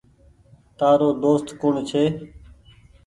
تآرو دوست ڪوڻ ڇي۔